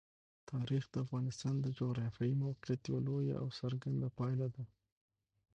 تاریخ د افغانستان د جغرافیایي موقیعت یوه لویه او څرګنده پایله ده.